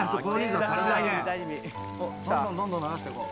どんどんどんどん流してこう。